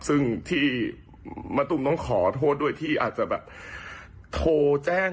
ซึ่งที่มะตูมต้องขอโทษด้วยที่อาจจะแบบโทรแจ้ง